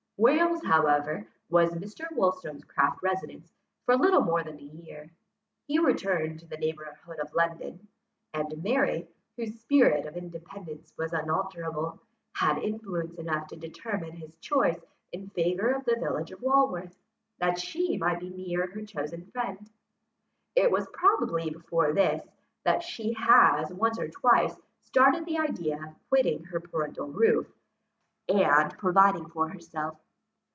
Wales however was Mr. Wollstonecraft's residence for little more than a year. He returned to the neighbourhood of London; and Mary, whose spirit of independence was unalterable, had influence enough to determine his choice in favour of the village of Walworth, that she might be near her chosen friend. It was probably before this, that she has once or twice started the idea of quitting her parental roof, and providing for herself.